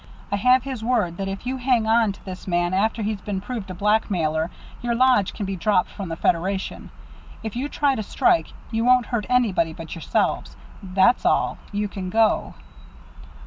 I have his word that if you hang on to this man after he's been proved a blackmailer, your lodge can be dropped from the Federation. If you try to strike, you won't hurt anybody but yourselves. That's all. You can go."